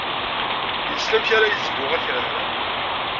Yessen amek ara yezlu akrar.